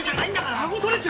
あご取れちゃうよ！